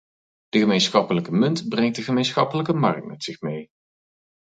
De gemeenschappelijke munt brengt een gemeenschappelijke markt met zich mee.